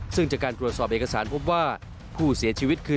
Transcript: ซึ่งจากการตรวจสอบเอกสารพบว่าผู้เสียชีวิตคือ